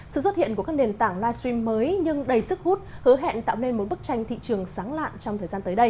sự xuất hiện của các nền tảng livestream mới nhưng đầy sức hút hứa hẹn tạo nên một bức tranh thị trường sáng lạn trong thời gian tới đây